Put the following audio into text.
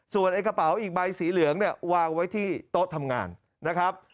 ส่วนไอ้กระเป๋าอีกใบสีเหลืองเนี่ยวางไว้ที่โต๊ะทำงานนะครับ